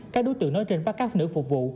các đối tượng nói trên bắt các nữ phục vụ